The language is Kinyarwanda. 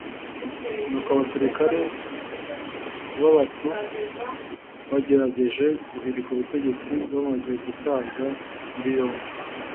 ni uko abasirikare babatu bagerageje guhirika ubutegetsi bamaze gutabwa muri yombi